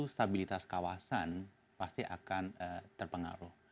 stabilitas kawasan pasti akan terpengaruh